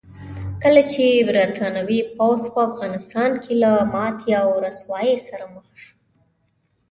کله چې برتانوي پوځ په افغانستان کې له ماتې او رسوایۍ سره مخ شو.